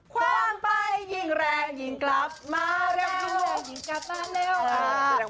คว่างไปยิ่งแรงยิ่งกลับมาเร็ว